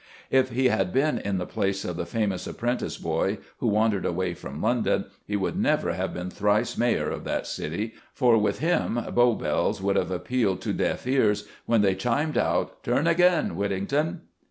If he had been in the place of the famous apprentice boy who wandered away from London, he would never have been thrice mayor of that city, for with him Bow Bells would have appealed to deaf ears when they chimed out, "Turn again, Whittington."